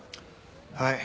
はい。